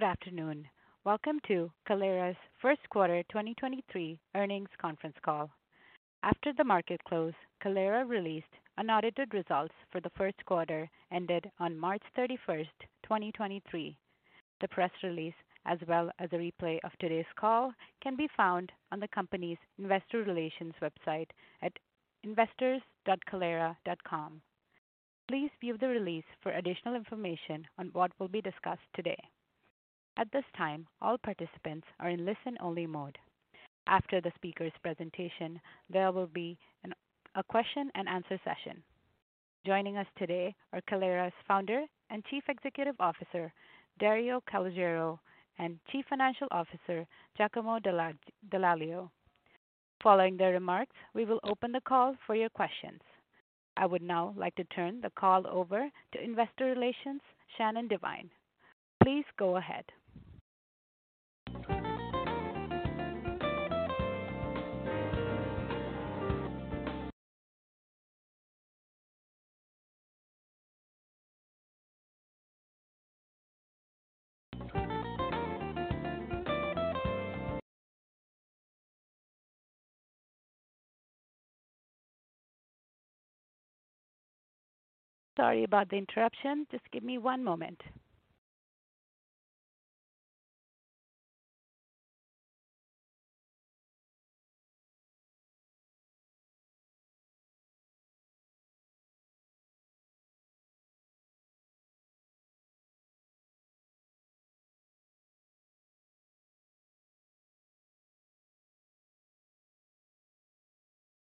Good afternoon. Welcome to Kaleyra's Q1 2023 earnings conference call. After the market closed, Kaleyra released unaudited results for the Q1 ended on March 31, 2023. The press release, as well as a replay of today's call, can be found on the company's investor relations website at investors.kaleyra.com. Please view the release for additional information on what will be discussed today. At this time, all participants are in listen-only mode. After the speaker's presentation, there will be a question and answer session. Joining us today are Kaleyra's Founder and Chief Executive Officer, Dario Calogero, and Chief Financial Officer, Giacomo Dall'Aglio. Following their remarks, we will open the call for your questions. I would now like to turn the call over to Investor Relations, Shannon Devine. Please go ahead. Sorry about the interruption. Just give me one moment.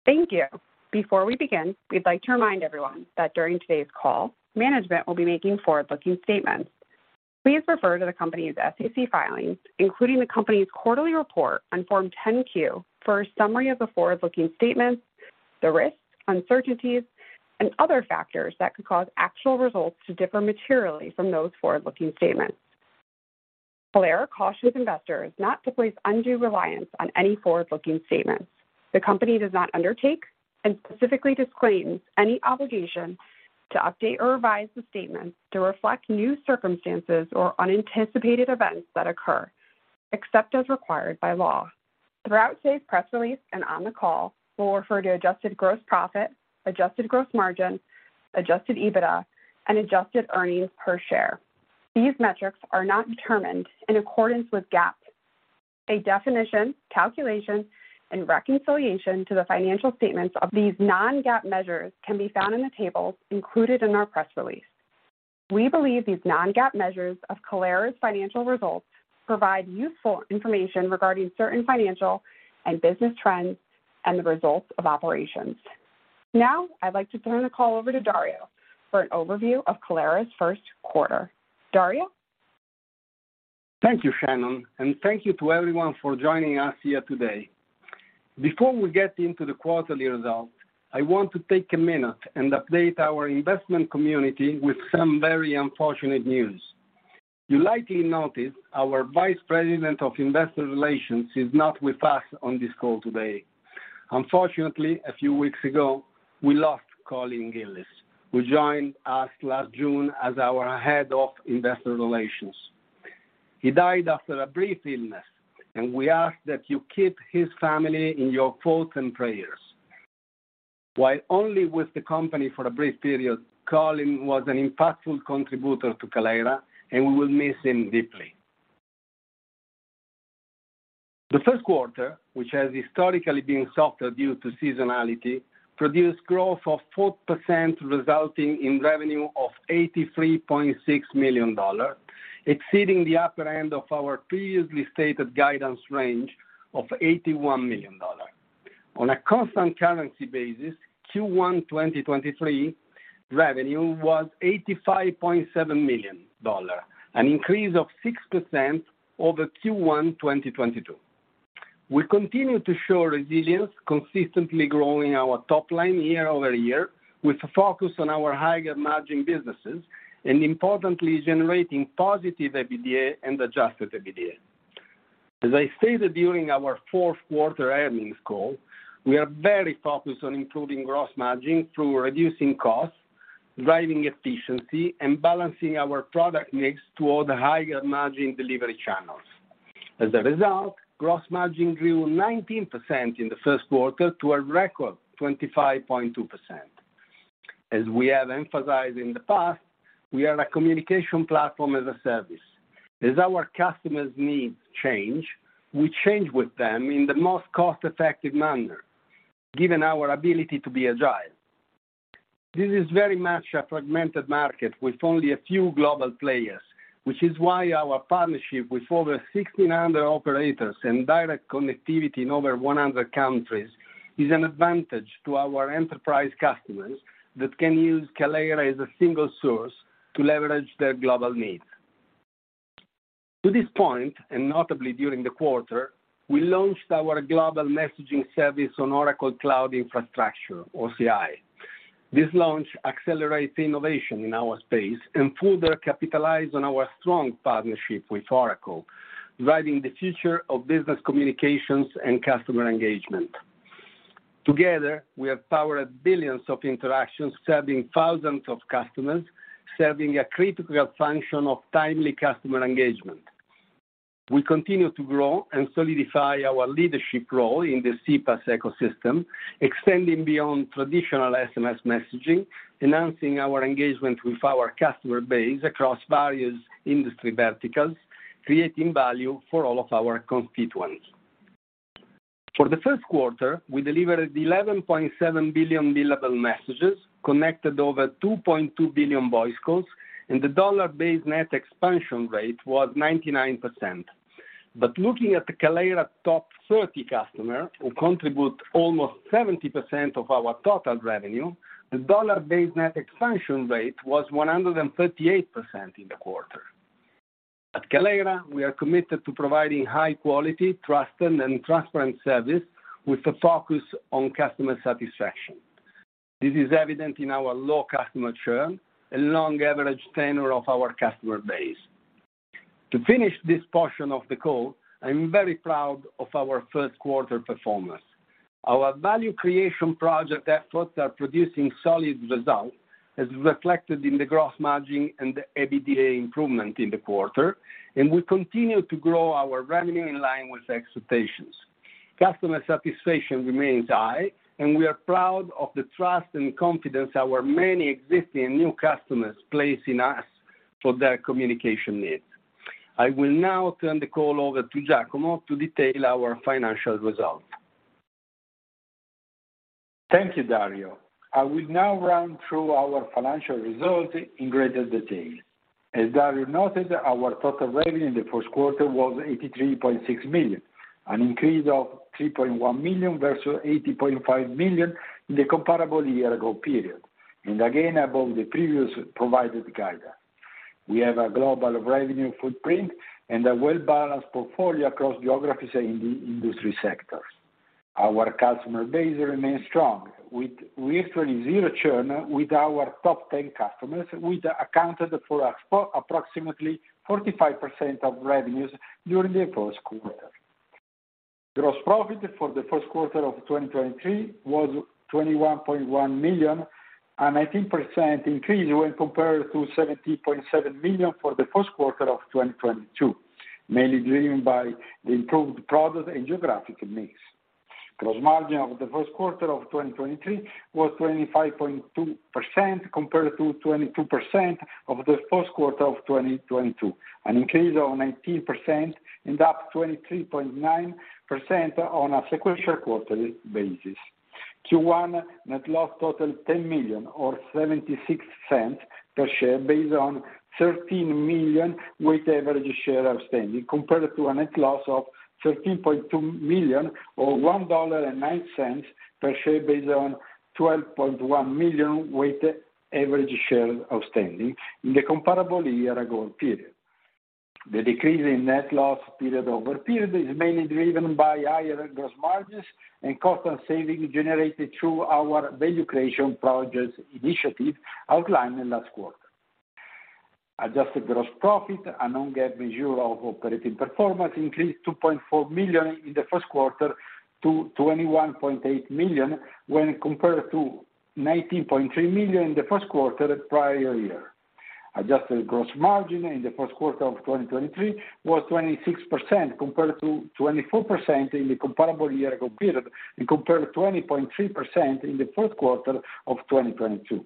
Thank you. Before we begin, we'd like to remind everyone that during today's call, management will be making forward-looking statements. Please refer to the company's SEC filings, including the company's quarterly report on Form 10-Q, for a summary of the forward-looking statements, the risks, uncertainties, and other factors that could cause actual results to differ materially from those forward-looking statements. Kaleyra cautions investors not to place undue reliance on any forward-looking statements. The company does not undertake and specifically disclaims any obligation to update or revise the statements to reflect new circumstances or unanticipated events that occur, except as required by law. Throughout today's press release and on the call, we'll refer to adjusted gross profit, adjusted gross margin, adjusted EBITDA, and adjusted earnings per share. These metrics are not determined in accordance with GAAP. A definition, calculation, and reconciliation to the financial statements of these non-GAAP measures can be found in the tables included in our press release. We believe these non-GAAP measures of Kaleyra's financial results provide useful information regarding certain financial and business trends and the results of operations. I'd like to turn the call over to Dario for an overview of Kaleyra's Q1. Dario? Thank you, Shannon. Thank you to everyone for joining us here today. Before we get into the quarterly results, I want to take a minute and update our investment community with some very unfortunate news. You likely noticed our Vice President of Investor Relations is not with us on this call today. Unfortunately, a few weeks ago, we lost Colin Gillis, who joined us last June as our Head of Investor Relations. He died after a brief illness, and we ask that you keep his family in your thoughts and prayers. While only with the company for a brief period, Colin was an impactful contributor to Kaleyra, and we will miss him deeply. The Q1, which has historically been softer due to seasonality, produced growth of 4%, resulting in revenue of $83.6 million, exceeding the upper end of our previously stated guidance range of $81 million. On a constant currency basis, Q1 2023 revenue was $85.7 million, an increase of 6% over Q1 2022. We continue to show resilience, consistently growing our top line year-over-year with a focus on our higher margin businesses and importantly generating positive EBITDA and adjusted EBITDA. As I stated during our Q4 earnings call, we are very focused on improving gross margin through reducing costs, driving efficiency, and balancing our product mix toward higher margin delivery channels. As a result, gross margin grew 19% in the Q1 to a record 25.2%. As we have emphasized in the past, we are a Communications Platform as a Service. As our customers' needs change, we change with them in the most cost-effective manner, given our ability to be agile. This is very much a fragmented market with only a few global players, which is why our partnership with over 1,600 operators and direct connectivity in over 100 countries is an advantage to our enterprise customers that can use Kaleyra as a single source to leverage their global needs. To this point, and notably during the quarter, we launched our global messaging service on Oracle Cloud Infrastructure, OCI. This launch accelerates innovation in our space and further capitalize on our strong partnership with Oracle, driving the future of business communications and customer engagement. Together, we have powered billions of interactions serving thousands of customers, serving a critical function of timely customer engagement. We continue to grow and solidify our leadership role in the CPaaS ecosystem, extending beyond traditional SMS messaging, enhancing our engagement with our customer base across various industry verticals, creating value for all of our constituents. For the Q1, we delivered 11.7 billion billable messages, connected over 2.2 billion voice calls, and the Dollar-Based Net Expansion Rate was 99%. Looking at the Kaleyra top 30 customer who contribute almost 70% of our total revenue, the Dollar-Based Net Expansion Rate was 138% in the quarter. At Kaleyra, we are committed to providing high quality, trusted, and transparent service with a focus on customer satisfaction. This is evident in our low customer churn and long average tenure of our customer base. To finish this portion of the call, I'm very proud of our Q1 performance. Our value creation project efforts are producing solid results, as reflected in the gross margin and the EBITDA improvement in the quarter. We continue to grow our revenue in line with expectations. Customer satisfaction remains high. We are proud of the trust and confidence our many existing new customers place in us for their communication needs. I will now turn the call over to Giacomo to detail our financial results. Thank you, Dario. I will now run through our financial results in greater detail. As Dario noted, our total revenue in the Q1 was $83.6 million, an increase of $3.1 million versus $80.5 million in the comparable year-ago period, and again, above the previous provided guidance. We have a global revenue footprint and a well-balanced portfolio across geographies and industry sectors. Our customer base remains strong with virtually zero churn with our top 10 customers, which accounted for approximately 45% of revenues during the Q1. Gross profit for the Q1 of 2023 was $21.1 million, an 18% increase when compared to $17.7 million for the Q1 of 2022, mainly driven by the improved product and geographic mix. Gross margin of the Q1 of 2023 was 25.2% compared to 22% of the Q1 of 2022, an increase of 19% and up 23.9% on a sequential quarterly basis. Q1 net loss totaled $10 million or $0.76 per share based on 13 million weighted-average share outstanding compared to a net loss of $13.2 million or $1.09 per share based on 12.1 million weighted average shares outstanding in the comparable year-ago period. The decrease in net loss period over period is mainly driven by higher gross margins and cost savings generated through our value creation projects initiative outlined in last quarter. Adjusted gross profit and non-GAAP measure of operating performance increased $2.4 million in the Q1 to $21.8 million when compared to $19.3 million in the Q1 prior year. Adjusted gross margin in the Q1 of 2023 was 26% compared to 24% in the comparable year ago period and compared to 20.3% in the Q1 of 2022.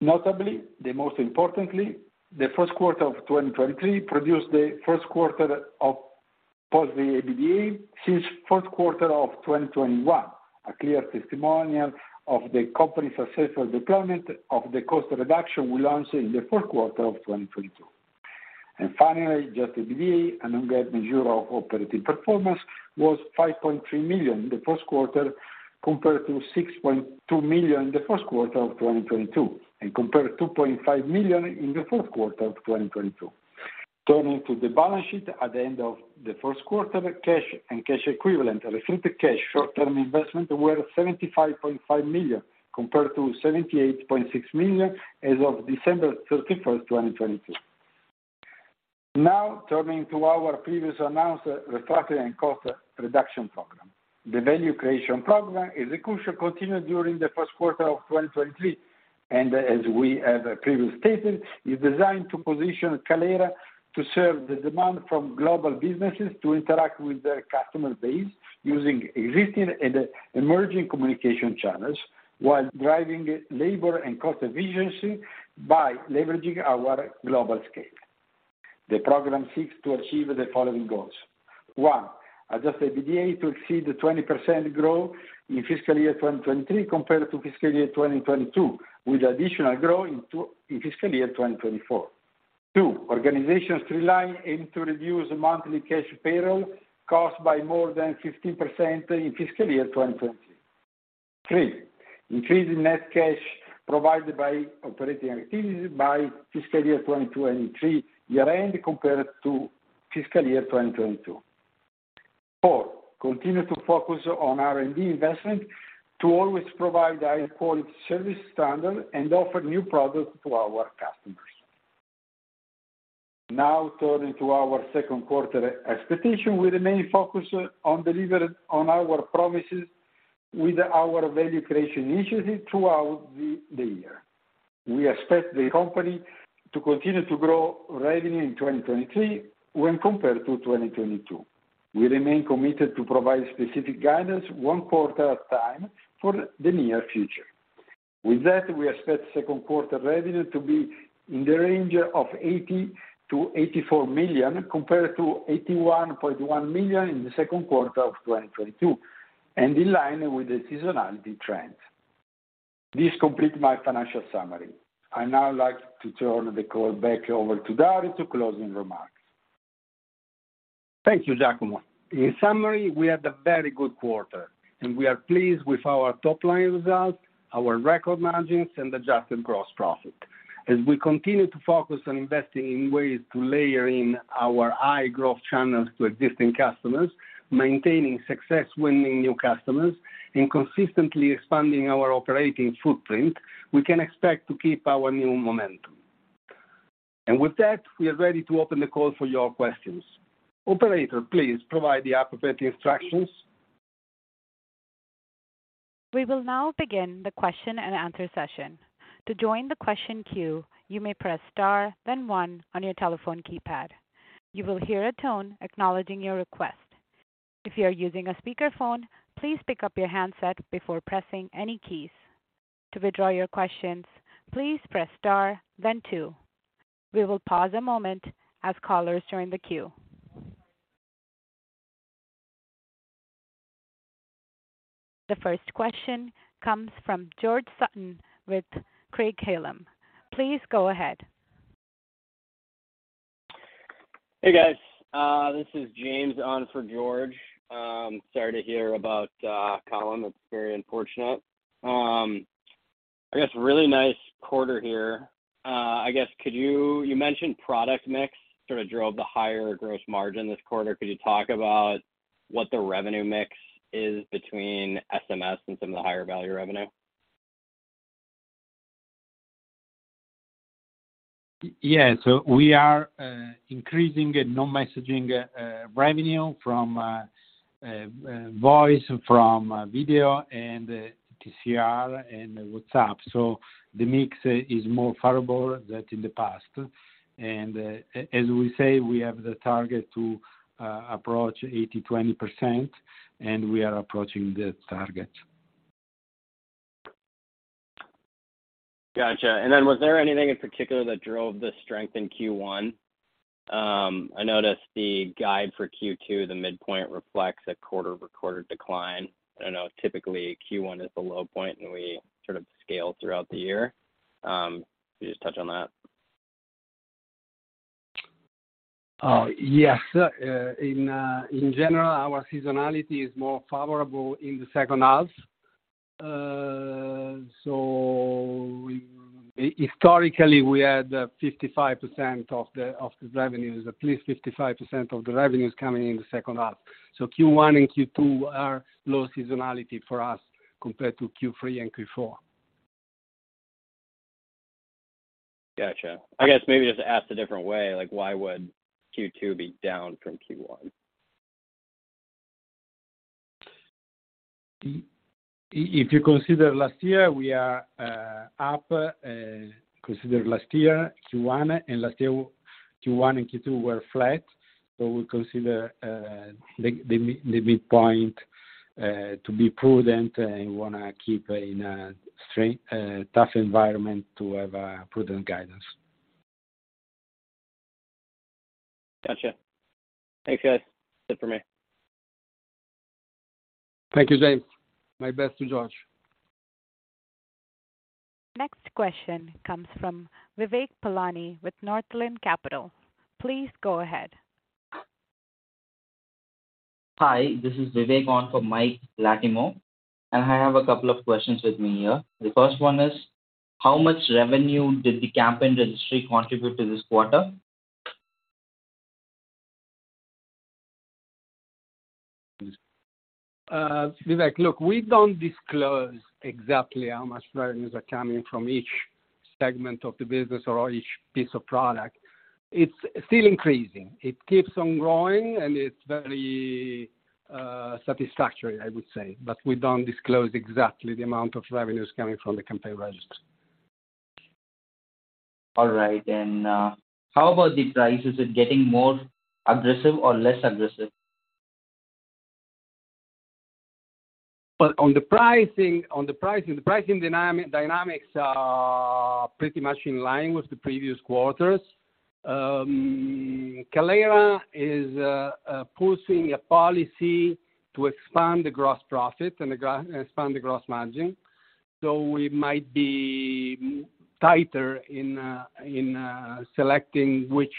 Notably, most importantly, the Q1 of 2023 produced the Q1 of positive EBITDA since Q1 of 2021, a clear testimonial of the company's successful deployment of the cost reduction we launched in the Q4 of 2022. Finally, adjusted EBITDA and non-GAAP measure of operating performance was $5.3 million in the Q1 compared to $6.2 million in the Q1 of 2022, compared to $2.5 million in the Q4 of 2022. Turning to the balance sheet at the end of the Q1, cash and cash equivalent, restricted cash, short-term investment were $75.5 million compared to $78.6 million as of December 31st, 2022. Turning to our previous announced restructuring and cost reduction program. The value creation program execution continued during the Q1 of 2023. As we have previously stated, is designed to position Kaleyra to serve the demand from global businesses to interact with their customer base using existing and emerging communication channels while driving labor and cost efficiency by leveraging our global scale. The program seeks to achieve the following goals. One, adjust EBITDA to exceed the 20% growth in fiscal year 2023 compared to fiscal year 2022, with additional growth in fiscal year 2024. Two, organization streamline aim to reduce monthly cash payroll cost by more than 15% in fiscal year 2023. Three, increase in net cash provided by operating activities by fiscal year 2023 year-end compared to fiscal year 2022. Four, continue to focus on R&D investment to always provide high-quality service standard and offer new products to our customers. Turning to our Q2 expectation. We remain focused on delivering on our promises with our value creation initiative throughout the year. We expect the company to continue to grow revenue in 2023 when compared to 2022. We remain committed to provide specific guidance one quarter at a time for the near future. With that, we expect Q2 revenue to be in the range of $80-$84 million, compared to $81.1 million in the Q2 of 2022, and in line with the seasonality trend. This completes my financial summary. I'd now like to turn the call back over to Dario to closing remarks. Thank you, Giacomo. In summary, we had a very good quarter. We are pleased with our top-line results, our record margins, and adjusted gross profit. As we continue to focus on investing in ways to layer in our high-growth channels to existing customers, maintaining success winning new customers, and consistently expanding our operating footprint, we can expect to keep our new momentum. With that, we are ready to open the call for your questions. Operator, please provide the appropriate instructions. We will now begin the question-and-answer session. To join the question queue, you may press star, then one on your telephone keypad. You will hear a tone acknowledging your request. If you are using a speakerphone, please pick up your handset before pressing any keys. To withdraw your questions, please press star then two. We will pause a moment as callers join the queue. The first question comes from George Sutton with Craig-Hallum. Please go ahead. Hey, guys. This is James on for George. Sorry to hear about Colin. It's very unfortunate. I guess really nice quarter here. You mentioned product mix sort of drove the higher gross margin this quarter. Could you talk about what the revenue mix is between SMS and some of the higher value revenue? Yes. We are increasing non-messaging revenue from voice, from video and TCR and WhatsApp. The mix is more favorable than in the past. As we say, we have the target to approach 80/20%, and we are approaching the target. Gotcha. Was there anything in particular that drove the strength in Q1? I noticed the guide for Q2, the midpoint reflects a quarter-over-quarter decline. I don't know if typically Q1 is the low point, and we sort of scale throughout the year. Can you just touch on that? Yes. In general, our seasonality is more favorable in the H2. Historically, we had 55% of the revenues, at least 55% of the revenues coming in the H2. Q1 and Q2 are low seasonality for us compared to Q3 and Q4. Gotcha. I guess maybe just asked a different way, like why would Q2 be down from Q1? If you consider last year, we are up. Consider last year, Q1, and last year, Q1 and Q2 were flat. We consider the midpoint to be prudent, and wanna keep in a tough environment to have a prudent guidance. Gotcha. Thanks, guys. That's it for me. Thank you, James. My best to George. Next question comes from Vivek Palani with Northland Capital. Please go ahead. Hi, this is Vivek on for Mike Latimore. I have a couple of questions with me here. The first one is how much revenue did the campaign registry contribute to this quarter? Vivek, look, we don't disclose exactly how much revenues are coming from each segment of the business or each piece of product. It's still increasing. It keeps on growing, and it's very satisfactory, I would say. We don't disclose exactly the amount of revenues coming from the campaign registry. All right. How about the prices? Are they getting more aggressive or less aggressive? Well, on the pricing, the pricing dynamics are pretty much in line with the previous quarters. Kaleyra is pushing a policy to expand the gross profit and expand the gross margin. We might be tighter in in selecting which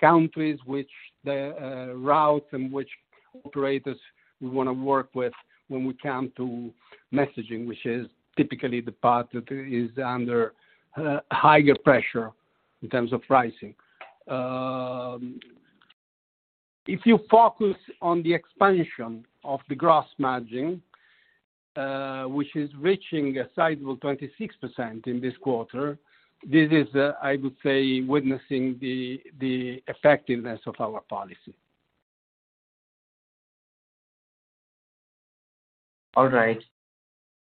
countries, which routes and which operators we wanna work with when we come to messaging, which is typically the part that is under higher pressure in terms of pricing. If you focus on the expansion of the gross margin, which is reaching a sizable 26% in this quarter, this is I would say witnessing the effectiveness of our policy. All right.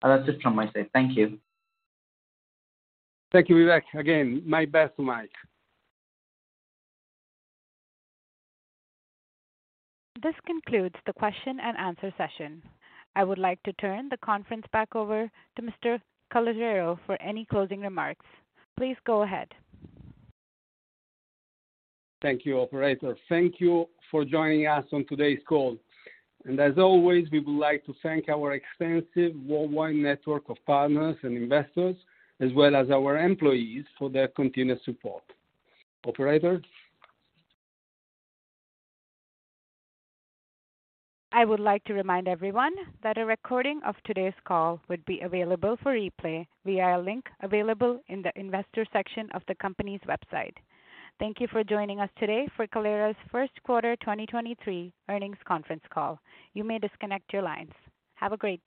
That's it from my side. Thank you. Thank you, Vivek. Again, my best to Mike. This concludes the question-and-answer session. I would like to turn the conference back over to Mr. Calogero for any closing remarks. Please go ahead. Thank you, operator. Thank you for joining us on today's call. As always, we would like to thank our extensive worldwide network of partners and investors, as well as our employees for their continuous support. Operator? I would like to remind everyone that a recording of today's call will be available for replay via a link available in the investor section of the company's website. Thank you for joining us today for Kaleyra's Q1 2023 earnings conference call. You may disconnect your lines. Have a great day.